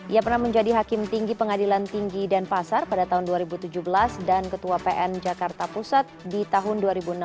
ia pernah menjadi hakim tinggi pengadilan tinggi denpasar pada tahun dua ribu tujuh belas dan ketua pn jakarta pusat di tahun dua ribu enam belas